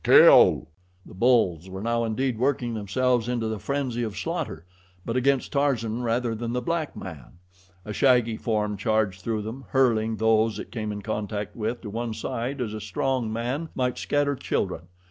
Kill!" The bulls were now indeed working themselves into the frenzy of slaughter; but against Tarzan rather than the black man. A shaggy form charged through them, hurling those it came in contact with to one side as a strong man might scatter children.